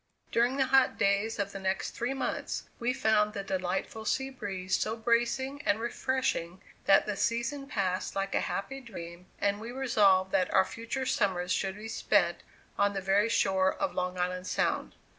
During the hot days of the next three months we found the delightful sea breeze so bracing and refreshing that the season passed like a happy dream, and we resolved that our future summers should be spent on the very shore of Long Island Sound.